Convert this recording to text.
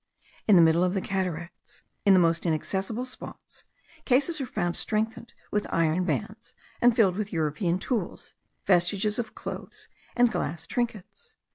In the middle of the Cataracts, in the most inaccessible spots, cases are found strengthened with iron bands, and filled with European tools, vestiges of clothes, and glass trinkets.